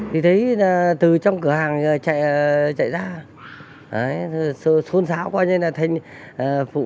thì thấy là từ trong cửa hàng chạy ra xuân xáo qua như là thành vụ